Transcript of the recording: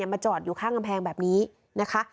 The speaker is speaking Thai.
มาจอดอยู่ข้างกำแพงแบบนี้นะคะ